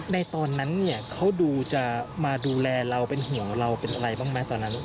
ในตอนนั้นเขาดูจะมาดูแลเราเป็นเหี่ยวเราเป็นอะไรต่อนั้น